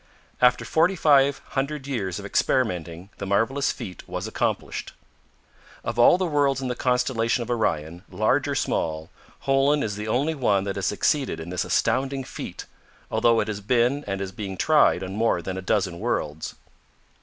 After forty five hundred years of experimenting the marvelous feat was accomplished. Of all the worlds in the constellation of Orion, large or small, Holen is the only one that has succeeded in this astounding feat, although it has been and is being tried on more than a dozen worlds.